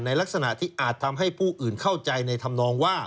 ลักษณะที่อาจทำให้ผู้อื่นเข้าใจในธรรมนองว่า